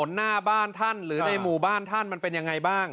หน้าบ้านท่านหรือในหมู่บ้านท่านมันเป็นยังไงบ้าง